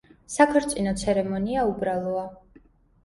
საქორწინო ცერემონია უბრალოა.